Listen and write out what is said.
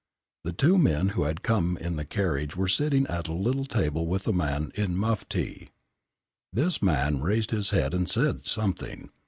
The two men who had come in the carriage were sitting at a little table with a man in mufti. This man raised his head and said something.